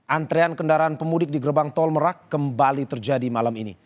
antrean kendaraan pemudik di gerbang tol merak kembali terjadi malam ini